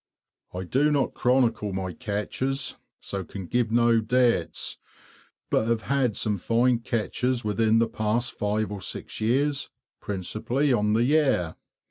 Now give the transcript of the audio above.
I do not chronicle my catches, so can give no dates; but have had some fine catches within the past five or six years, principally on the Yare.